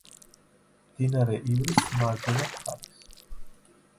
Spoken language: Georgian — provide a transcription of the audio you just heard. მდინარე ივრის მარჯვენა მხარეს.